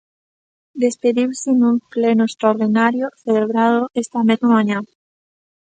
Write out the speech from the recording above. Despediuse nun pleno extraordinario celebrado esta mesma mañá.